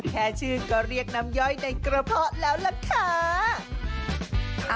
แค่ชื่อก็เรียกน้ำย่อยในกระเพาะแล้วล่ะค่ะ